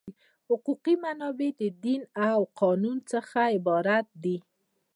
حقوقي منابع له دین او قانون څخه عبارت دي.